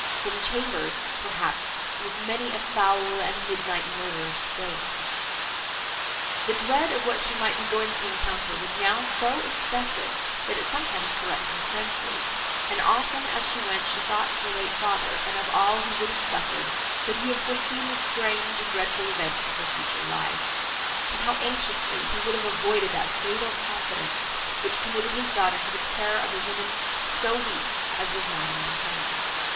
—from chambers, perhaps With many a foul, and midnight murder stain'd. The dread of what she might be going to encounter was now so excessive, that it sometimes threatened her senses; and, often as she went, she thought of her late father and of all he would have suffered, could he have foreseen the strange and dreadful events of her future life; and how anxiously he would have avoided that fatal confidence, which committed his daughter to the care of a woman so weak as was Madame Montoni.